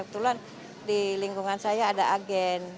kebetulan di lingkungan saya ada agen